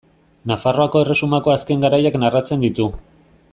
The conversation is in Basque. Nafarroako erresumako azken garaiak narratzen ditu.